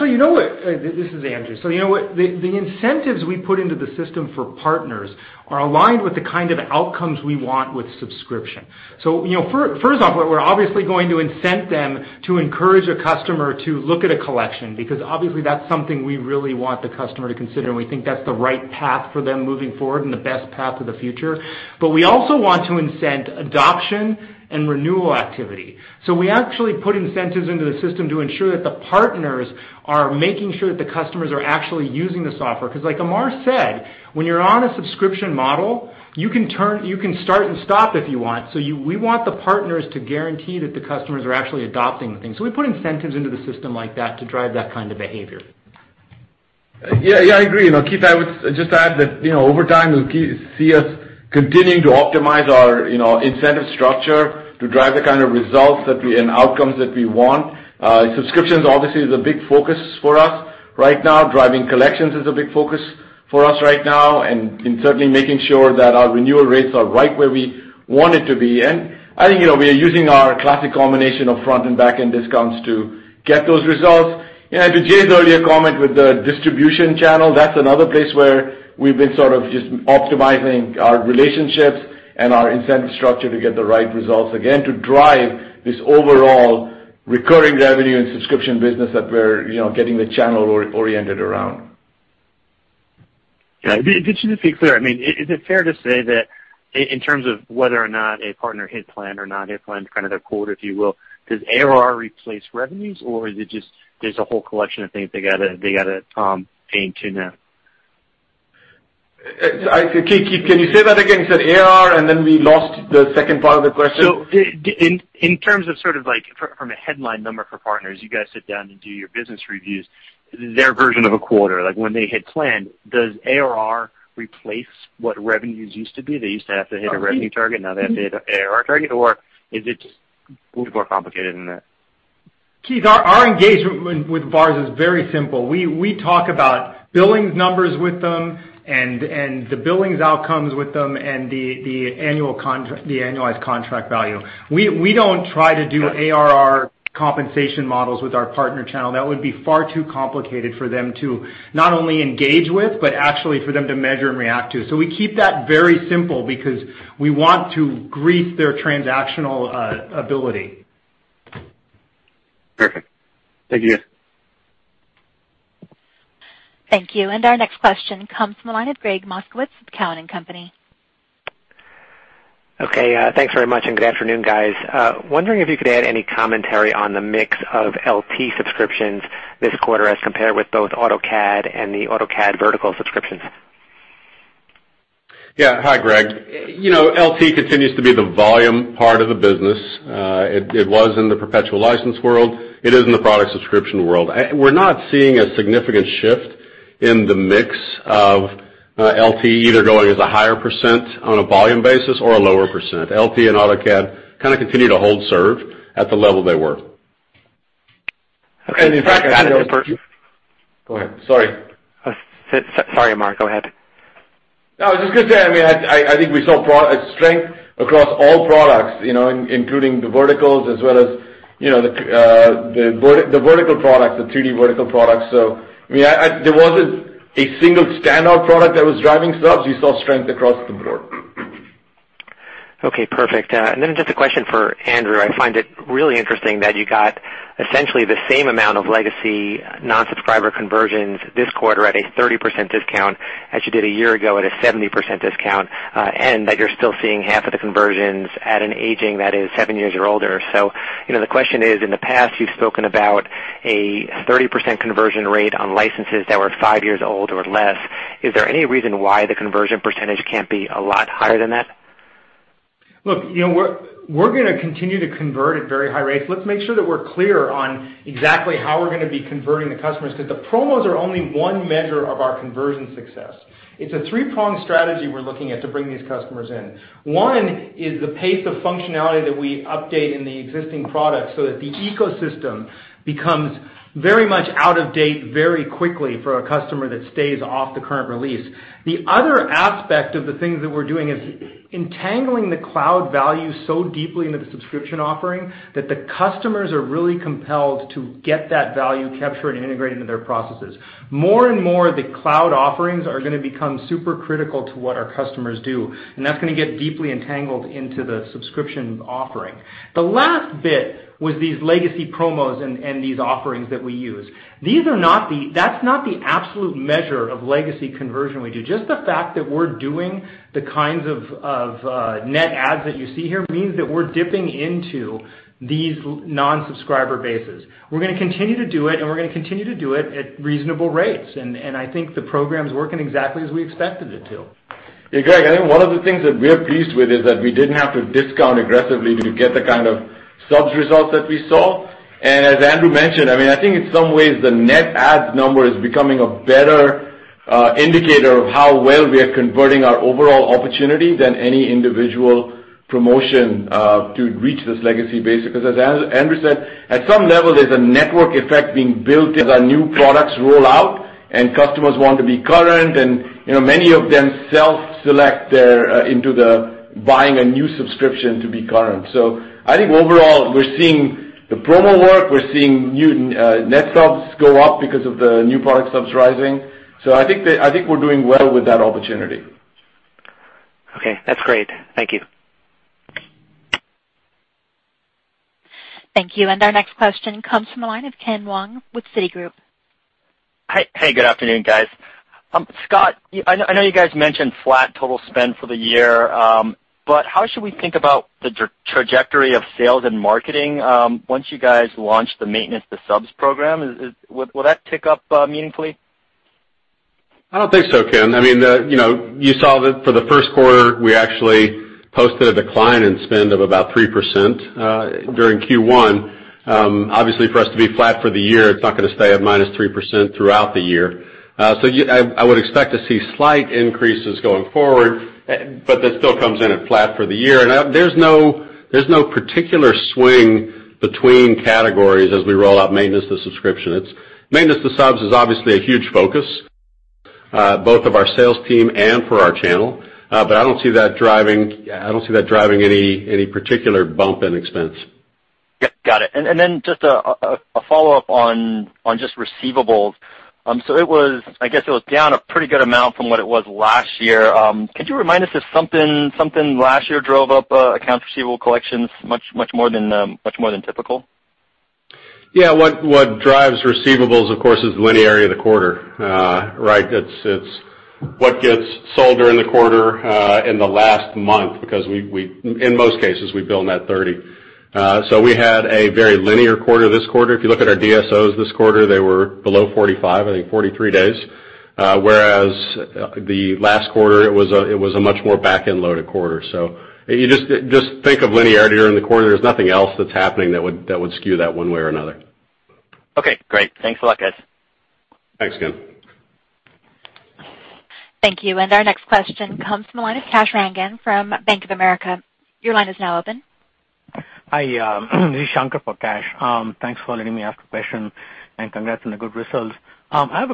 You know what? This is Andrew. You know what? The incentives we put into the system for partners are aligned with the kind of outcomes we want with subscription. First off, we're obviously going to incent them to encourage a customer to look at a collection, because obviously, that's something we really want the customer to consider, and we think that's the right path for them moving forward and the best path to the future. We also want to incent adoption and renewal activity. We actually put incentives into the system to ensure that the partners are making sure that the customers are actually using the software, because like Amar said, when you're on a subscription model, you can start and stop if you want. We want the partners to guarantee that the customers are actually adopting the thing. We put incentives into the system like that to drive that kind of behavior. I agree. Keith, I would just add that over time, you'll see us continuing to optimize our incentive structure to drive the kind of results and outcomes that we want. Subscriptions obviously is a big focus for us right now. Driving collections is a big focus for us right now and certainly making sure that our renewal rates are right where we want it to be. I think we are using our classic combination of front and back-end discounts to get those results. To Jay's earlier comment with the distribution channel, that's another place where we've been sort of just optimizing our relationships and our incentive structure to get the right results, again, to drive this overall recurring revenue and subscription business that we're getting the channel oriented around. Yeah. Just to be clear, is it fair to say that in terms of whether or not a partner hit plan or not hit plan, kind of their quota, if you will, does ARR replace revenues, or there's a whole collection of things they got to fine-tune now? Keith, can you say that again? You said ARR, then we lost the second part of the question. In terms of sort of from a headline number for partners, you guys sit down and do your business reviews, their version of a quarter, like when they hit plan, does ARR replace what revenues used to be? They used to have to hit a revenue target, now they have to hit an ARR target, or is it just a little bit more complicated than that? Keith, our engagement with VARs is very simple. We talk about billings numbers with them and the billings outcomes with them and the annualized contract value. We don't try to do ARR compensation models with our partner channel. That would be far too complicated for them to not only engage with, but actually for them to measure and react to. We keep that very simple because we want to grease their transactional ability. Perfect. Thank you, guys. Thank you. Our next question comes from the line of Gregg Moskowitz of Cowen & Company. Okay, thanks very much, and good afternoon, guys. Wondering if you could add any commentary on the mix of LT subscriptions this quarter as compared with both AutoCAD and the AutoCAD vertical subscriptions. Yeah. Hi, Gregg. LT continues to be the volume part of the business. It was in the perpetual license world. It is in the product subscription world. We're not seeing a significant shift in the mix of LT, either going as a higher % on a volume basis or a lower %. LT and AutoCAD kind of continue to hold serve at the level they were. Okay. Go ahead, sorry. Sorry, Amar, go ahead. I was just going to say, I think we saw strength across all products, including the verticals as well as the vertical products, the 3D vertical products. There wasn't a single standout product that was driving subs. We saw strength across the board. Just a question for Andrew. I find it really interesting that you got essentially the same amount of legacy non-subscriber conversions this quarter at a 30% discount as you did a year ago at a 70% discount, and that you're still seeing half of the conversions at an aging that is 7 years or older. The question is, in the past, you've spoken about a 30% conversion rate on licenses that were five years old or less. Is there any reason why the conversion percentage can't be a lot higher than that? Look, we're going to continue to convert at very high rates. Let's make sure that we're clear on exactly how we're going to be converting the customers, because the promos are only one measure of our conversion success. It's a three-pronged strategy we're looking at to bring these customers in. One is the pace of functionality that we update in the existing product so that the ecosystem becomes very much out of date very quickly for a customer that stays off the current release. The other aspect of the things that we're doing is entangling the cloud value so deeply into the subscription offering that the customers are really compelled to get that value captured and integrated into their processes. More and more, the cloud offerings are going to become super critical to what our customers do, and that's going to get deeply entangled into the subscription offering. The last bit was these legacy promos and these offerings that we use. That's not the absolute measure of legacy conversion we do. Just the fact that we're doing the kinds of net adds that you see here means that we're dipping into these non-subscriber bases. We're going to continue to do it, and we're going to continue to do it at reasonable rates. I think the program's working exactly as we expected it to. Yeah, Gregg, I think one of the things that we're pleased with is that we didn't have to discount aggressively to get the kind of subs results that we saw. As Andrew mentioned, I think in some ways, the net adds number is becoming a better indicator of how well we are converting our overall opportunity than any individual promotion to reach this legacy base. As Andrew said, at some level, there's a network effect being built as our new products roll out and customers want to be current, and many of them self-select into the buying a new subscription to be current. I think overall, we're seeing the promo work. We're seeing net subs go up because of the new product subs rising. I think we're doing well with that opportunity. Okay. That's great. Thank you. Thank you. Our next question comes from the line of Ken Wong with Citigroup. Hey, good afternoon, guys. Scott, I know you guys mentioned flat total spend for the year, how should we think about the trajectory of sales and marketing once you guys launch the Maintenance to Subs program? Will that tick up meaningfully? I don't think so, Ken. You saw that for the first quarter, we actually posted a decline in spend of about 3% during Q1. Obviously, for us to be flat for the year, it's not going to stay at minus 3% throughout the year. I would expect to see slight increases going forward, that still comes in at flat for the year. There's no particular swing between categories as we roll out Maintenance to Subscription. Maintenance to Subs is obviously a huge focus, both of our sales team and for our channel. I don't see that driving any particular bump in expense. Got it. Just a follow-up on just receivables. I guess it was down a pretty good amount from what it was last year. Could you remind us if something last year drove up accounts receivable collections much more than typical? Yeah. What drives receivables, of course, is the linearity of the quarter, right? It's what gets sold during the quarter in the last month, because, in most cases, we bill net 30. We had a very linear quarter this quarter. If you look at our DSOs this quarter, they were below 45, I think 43 days. Whereas the last quarter, it was a much more back-end-loaded quarter. Just think of linearity during the quarter. There's nothing else that's happening that would skew that one way or another. Okay, great. Thanks a lot, guys. Thanks, Ken. Thank you. Our next question comes from the line of Kash Rangan from Bank of America. Your line is now open. Hi. This is Shankar for Kash. Thanks for letting me ask a question, and congrats on the good results. My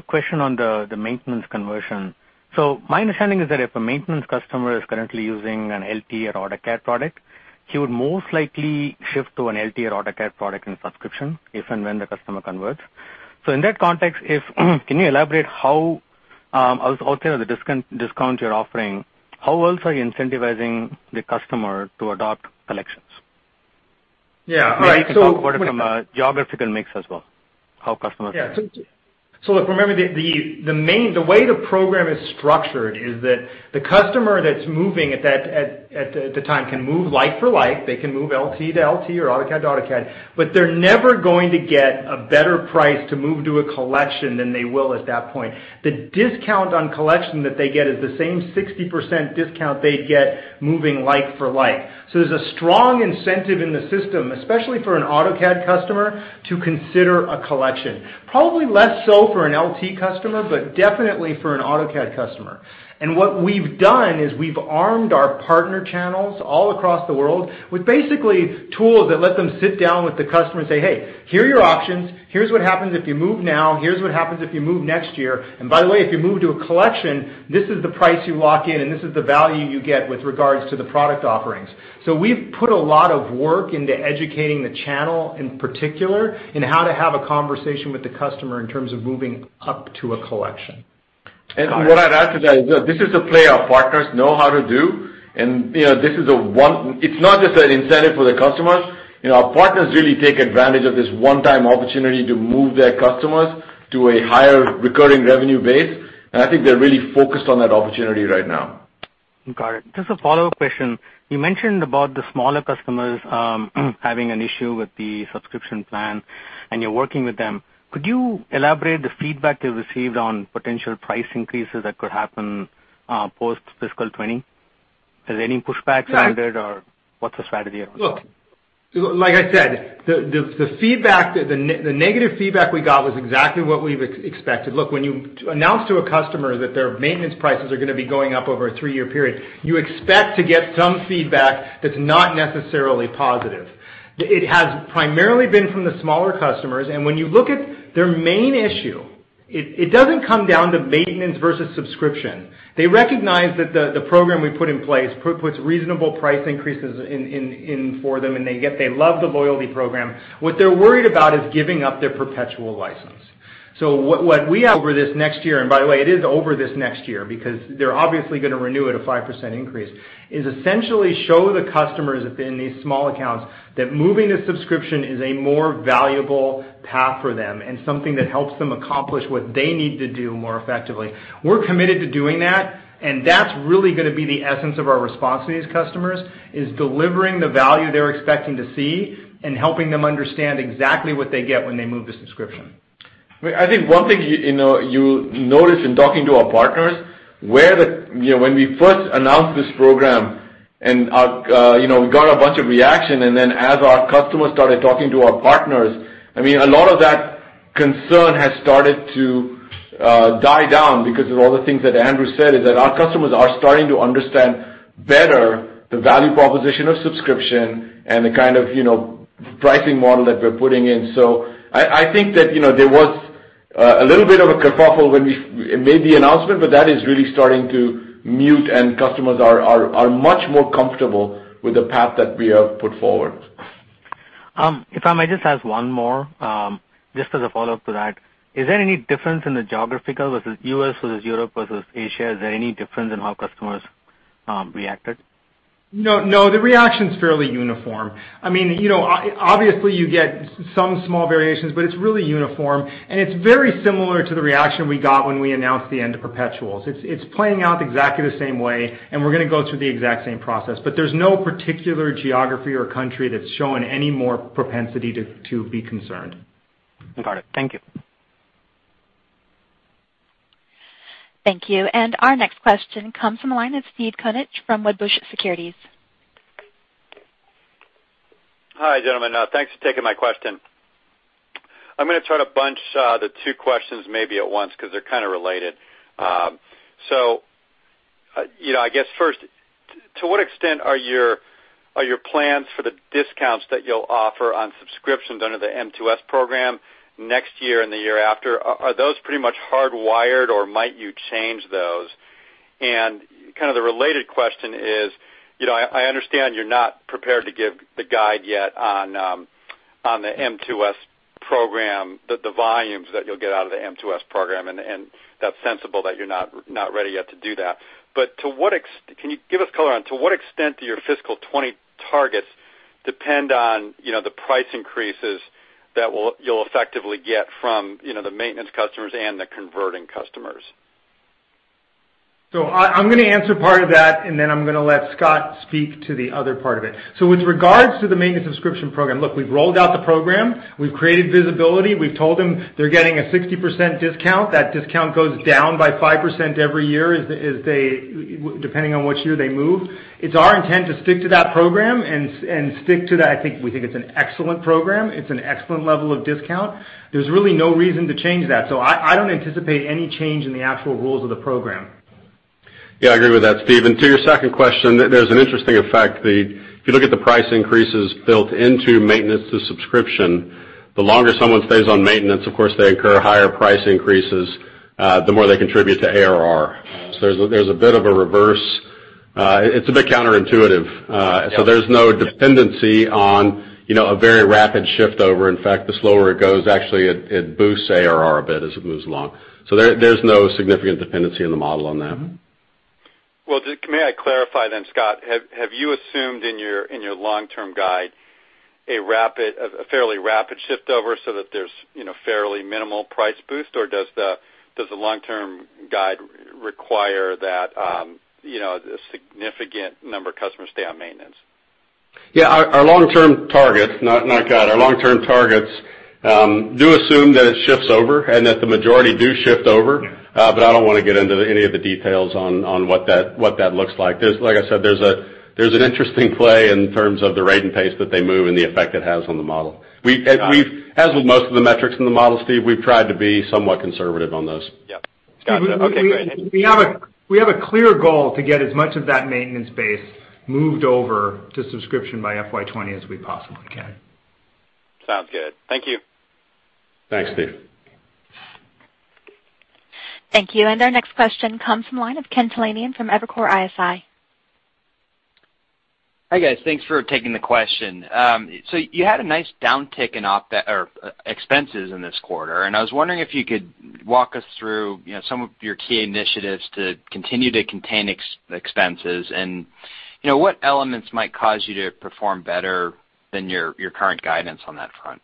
understanding is that if a maintenance customer is currently using an LT or AutoCAD product, he would most likely shift to an LT or AutoCAD product in subscription, if and when the customer converts. In that context, can you elaborate Outside of the discount you're offering, how else are you incentivizing the customer to adopt collections? Yeah, right. Maybe you can talk about it from a geographical mix as well. Yeah. Look, remember the way the program is structured is that the customer that's moving at the time can move like for like. They can move LT to LT or AutoCAD to AutoCAD, but they're never going to get a better price to move to a collection than they will at that point. The discount on collection that they get is the same 60% discount they'd get moving like for like. There's a strong incentive in the system, especially for an AutoCAD customer, to consider a collection. Probably less so for an LT customer, but definitely for an AutoCAD customer. What we've done is we've armed our partner channels all across the world with basically tools that let them sit down with the customer and say, "Hey, here are your options. Here's what happens if you move now. Here's what happens if you move next year. By the way, if you move to a collection, this is the price you lock in, and this is the value you get with regards to the product offerings." We've put a lot of work into educating the channel, in particular, in how to have a conversation with the customer in terms of moving up to a collection. Got it. What I'd add to that is, this is a play our partners know how to do. It's not just an incentive for the customers. Our partners really take advantage of this one-time opportunity to move their customers to a higher recurring revenue base, and I think they're really focused on that opportunity right now. Got it. Just a follow-up question. You mentioned about the smaller customers having an issue with the subscription plan, and you're working with them. Could you elaborate the feedback you've received on potential price increases that could happen post-fiscal 2020? Has any pushback sounded- Right What's the strategy here? Look, like I said, the negative feedback we got was exactly what we've expected. Look, when you announce to a customer that their maintenance prices are going to be going up over a three-year period, you expect to get some feedback that's not necessarily positive. It has primarily been from the smaller customers, and when you look at their main issue, it doesn't come down to maintenance versus subscription. They recognize that the program we put in place puts reasonable price increases in for them, and they love the loyalty program. What they're worried about is giving up their perpetual license. What we have over this next year, and by the way, it is over this next year, because they're obviously going to renew at a 5% increase, is essentially show the customers in these small accounts that moving to subscription is a more valuable path for them and something that helps them accomplish what they need to do more effectively. We're committed to doing that, and that's really going to be the essence of our response to these customers, is delivering the value they're expecting to see and helping them understand exactly what they get when they move to subscription. I think one thing you'll notice in talking to our partners, when we first announced this program and got a bunch of reaction, and then as our customers started talking to our partners, a lot of that concern has started to die down because of all the things that Andrew said, is that our customers are starting to understand better the value proposition of subscription and the kind of pricing model that we're putting in. I think that there was a little bit of a kerfuffle when we made the announcement, but that is really starting to mute, and customers are much more comfortable with the path that we have put forward. If I might just ask one more, just as a follow-up to that. Is there any difference in the geographical versus U.S. versus Europe versus Asia? Is there any difference in how customers- Reacted? No, the reaction's fairly uniform. Obviously, you get some small variations, but it's really uniform, and it's very similar to the reaction we got when we announced the end of perpetuals. It's playing out exactly the same way, and we're going to go through the exact same process, but there's no particular geography or country that's showing any more propensity to be concerned. Got it. Thank you. Thank you. Our next question comes from the line of Steve Koenig from Wedbush Securities. Hi, gentlemen. Thanks for taking my question. I'm going to try to bunch the two questions maybe at once, because they're kind of related. I guess first, to what extent are your plans for the discounts that you'll offer on subscriptions under the M2S program next year and the year after, are those pretty much hardwired, or might you change those? Kind of the related question is, I understand you're not prepared to give the guide yet on the M2S program, the volumes that you'll get out of the M2S program, and that's sensible that you're not ready yet to do that. Can you give us color on to what extent do your FY 2020 targets depend on the price increases that you'll effectively get from the maintenance customers and the converting customers? I'm going to answer part of that, and then I'm going to let Scott speak to the other part of it. With regards to the maintenance subscription program, look, we've rolled out the program, we've created visibility, we've told them they're getting a 60% discount. That discount goes down by 5% every year, depending on which year they move. It's our intent to stick to that program and stick to that. I think we think it's an excellent program. It's an excellent level of discount. There's really no reason to change that. I don't anticipate any change in the actual rules of the program. Yeah, I agree with that, Steve. To your second question, there's an interesting effect. If you look at the price increases built into maintenance to subscription, the longer someone stays on maintenance, of course, they incur higher price increases, the more they contribute to ARR. There's a bit of a reverse. It's a bit counterintuitive. Yeah. There's no dependency on a very rapid shift over. In fact, the slower it goes, actually, it boosts ARR a bit as it moves along. There's no significant dependency in the model on that. Well, may I clarify then, Scott, have you assumed in your long-term guide a fairly rapid shift over so that there's fairly minimal price boost, or does the long-term guide require that a significant number of customers stay on maintenance? Yeah. Our long-term targets, not guide, our long-term targets do assume that it shifts over and that the majority do shift over. Yeah I don't want to get into any of the details on what that looks like. Like I said, there's an interesting play in terms of the rate and pace that they move and the effect it has on the model. Got it. As with most of the metrics in the model, Steve, we've tried to be somewhat conservative on those. Yep. Got it. Okay, go ahead. We have a clear goal to get as much of that maintenance base moved over to subscription by FY 2020 as we possibly can. Sounds good. Thank you. Thanks, Steve. Thank you. Our next question comes from the line of Ken Talanian from Evercore ISI. Hi, guys. Thanks for taking the question. You had a nice downtick in expenses in this quarter, and I was wondering if you could walk us through some of your key initiatives to continue to contain expenses and what elements might cause you to perform better than your current guidance on that front?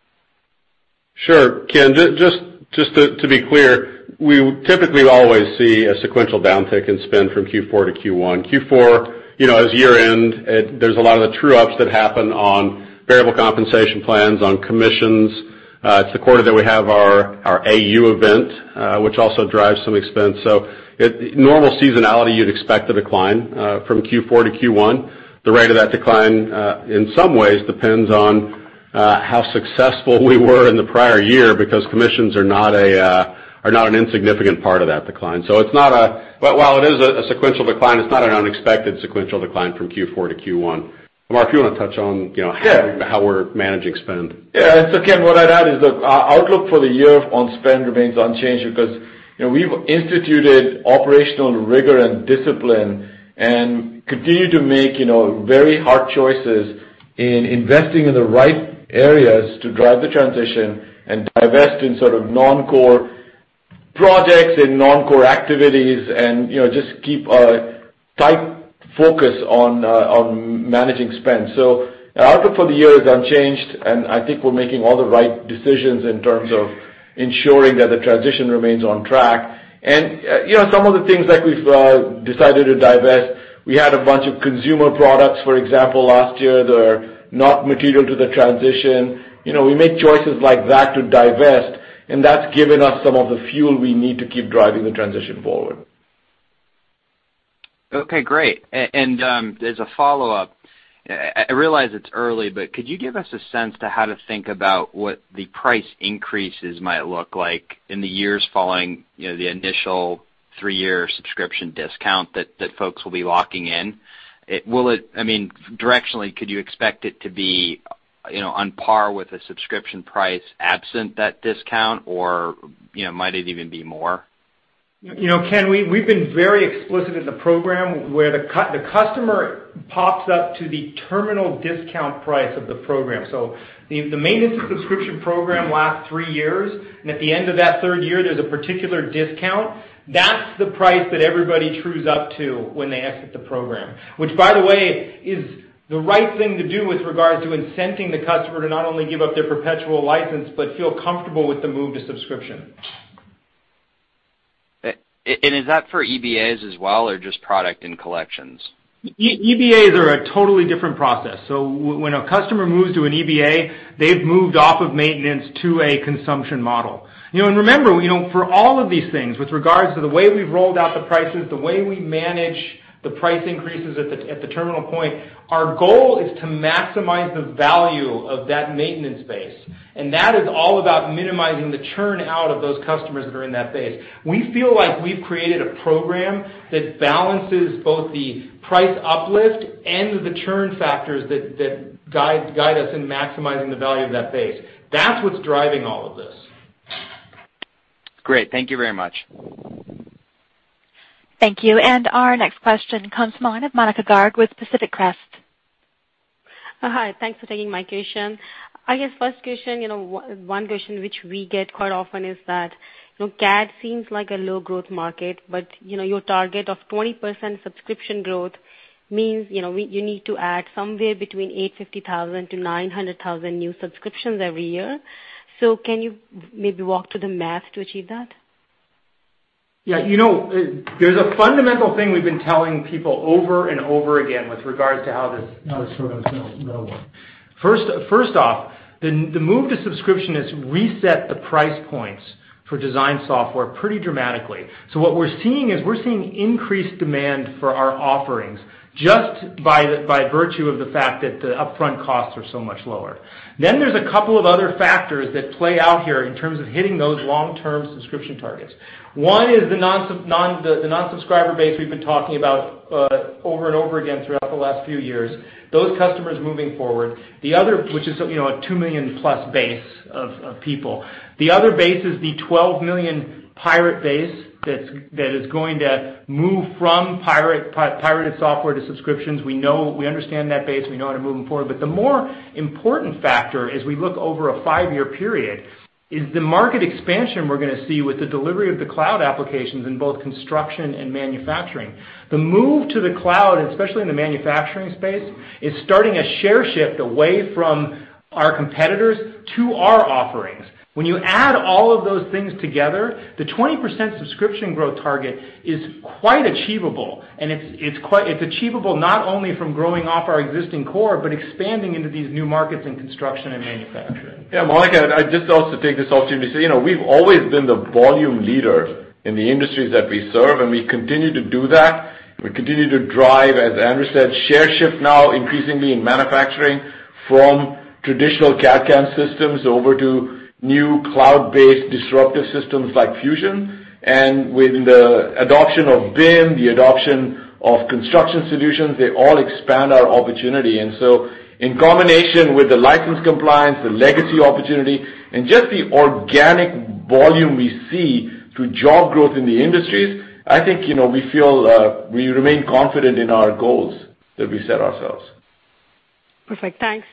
Sure. Ken, just to be clear, we typically always see a sequential downtick in spend from Q4 to Q1. Q4, as year-end, there's a lot of the true-ups that happen on variable compensation plans, on commissions. It's the quarter that we have our AU event, which also drives some expense. Normal seasonality, you'd expect a decline from Q4 to Q1. The rate of that decline, in some ways, depends on how successful we were in the prior year because commissions are not an insignificant part of that decline. While it is a sequential decline, it's not an unexpected sequential decline from Q4 to Q1. Amar, if you want to touch on- Yeah how we're managing spend. Yeah. Ken, what I'd add is that our outlook for the year on spend remains unchanged because we've instituted operational rigor and discipline and continue to make very hard choices in investing in the right areas to drive the transition and divest in sort of non-core projects and non-core activities and just keep a tight focus on managing spend. Our outlook for the year is unchanged, and I think we're making all the right decisions in terms of ensuring that the transition remains on track. Some of the things like we've decided to divest, we had a bunch of consumer products, for example, last year, that are not material to the transition. We make choices like that to divest, and that's given us some of the fuel we need to keep driving the transition forward. Okay, great. As a follow-up, I realize it's early, but could you give us a sense to how to think about what the price increases might look like in the years following the initial three-year subscription discount that folks will be locking in? Directionally, could you expect it to be on par with a subscription price absent that discount, or might it even be more? Ken, we've been very explicit in the program where the customer pops up to the terminal discount price of the program. The maintenance subscription program lasts three years, at the end of that third year, there's a particular discount. That's the price that everybody trues up to when they exit the program. Which, by the way, is the right thing to do with regards to incenting the customer to not only give up their perpetual license but feel comfortable with the move to subscription. Is that for EBAs as well, or just product and collections? EBAs are a totally different process. When a customer moves to an EBA, they've moved off of maintenance to a consumption model. Remember, for all of these things, with regards to the way we've rolled out the prices, the way we manage the price increases at the terminal point, our goal is to maximize the value of that maintenance base. That is all about minimizing the churn-out of those customers that are in that base. We feel like we've created a program that balances both the price uplift and the churn factors that guide us in maximizing the value of that base. That's what's driving all of this. Great. Thank you very much. Thank you. Our next question comes from the line of Monika Garg with Pacific Crest. Hi. Thanks for taking my question. I guess first question, one question which we get quite often is that CAD seems like a low-growth market, but your target of 20% subscription growth means you need to add somewhere between 850,000 to 900,000 new subscriptions every year. Can you maybe walk through the math to achieve that? Yeah. There's a fundamental thing we've been telling people over and over again with regards to how this model will work. First off, the move to subscription has reset the price points for design software pretty dramatically. What we're seeing is we're seeing increased demand for our offerings just by virtue of the fact that the upfront costs are so much lower. There's a couple of other factors that play out here in terms of hitting those long-term subscription targets. One is the non-subscriber base we've been talking about over and over again throughout the last few years. Those customers moving forward. Which is a 2 million-plus base of people. The other base is the 12 million pirate base that is going to move from pirated software to subscriptions. We understand that base. We know how to move them forward. The more important factor as we look over a five-year period is the market expansion we're going to see with the delivery of the cloud applications in both construction and manufacturing. The move to the cloud, especially in the manufacturing space, is starting a share shift away from our competitors to our offerings. When you add all of those things together, the 20% subscription growth target is quite achievable, and it's achievable not only from growing off our existing core, but expanding into these new markets in construction and manufacturing. Yeah, Monika, I'd just also take this opportunity to say, we've always been the volume leader in the industries that we serve, and we continue to do that. We continue to drive, as Andrew said, share shift now increasingly in manufacturing from traditional CAD/CAM systems over to new cloud-based disruptive systems like Fusion. With the adoption of BIM, the adoption of construction solutions, they all expand our opportunity. In combination with the license compliance, the legacy opportunity, and just the organic volume we see through job growth in the industries, I think we remain confident in our goals that we set ourselves. Perfect. Thanks.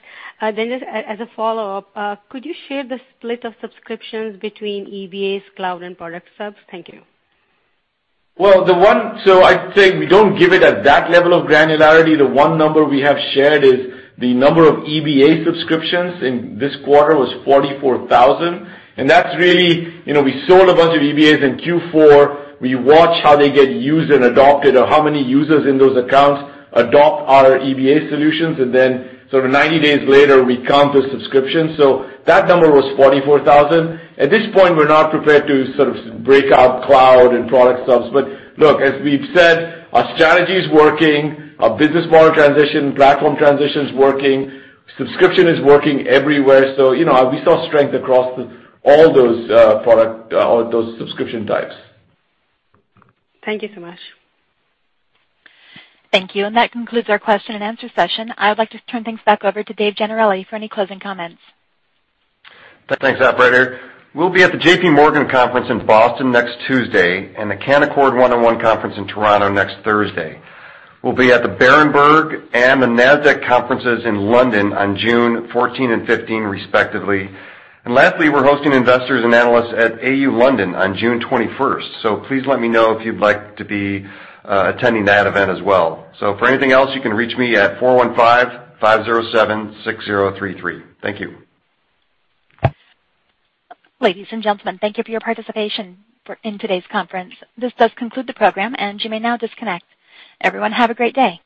Just as a follow-up, could you share the split of subscriptions between EBAs, cloud, and product subs? Thank you. I'd say we don't give it at that level of granularity. The one number we have shared is the number of EBA subscriptions in this quarter was 44,000. That's really, we sold a bunch of EBAs in Q4. We watch how they get used and adopted or how many users in those accounts adopt our EBA solutions, and then sort of 90 days later, we count the subscriptions. That number was 44,000. At this point, we're not prepared to sort of break out cloud and product subs. Look, as we've said, our strategy is working, our business model transition, platform transition's working, subscription is working everywhere. We saw strength across all those subscription types. Thank you so much. Thank you. That concludes our question and answer session. I would like to turn things back over to David Gennarelli for any closing comments. Thanks, operator. We'll be at the JPMorgan conference in Boston next Tuesday and the Canaccord 101 conference in Toronto next Thursday. We'll be at the Berenberg and the Nasdaq conferences in London on June 14 and 15, respectively. Lastly, we're hosting investors and analysts at AU London on June 21st. Please let me know if you'd like to be attending that event as well. For anything else, you can reach me at 415-507-6033. Thank you. Ladies and gentlemen, thank you for your participation in today's conference. This does conclude the program, and you may now disconnect. Everyone, have a great day.